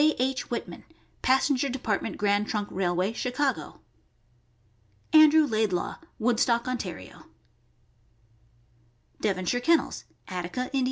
H. Whitman, Passenger Department Grand Trunk Railway, Chicago; Andrew Laidlaw, Woodstock, Ontario; Devonshire Kennels, Attica, Ind.